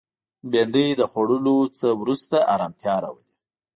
بېنډۍ د خوړلو نه وروسته ارامتیا راولي